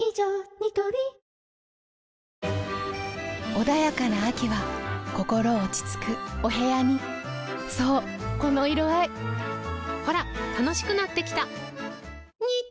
ニトリ穏やかな秋は心落ち着くお部屋にそうこの色合いほら楽しくなってきた！